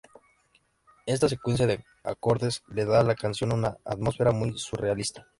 Esta secuencia de acordes le da a la canción una atmósfera muy surrealista.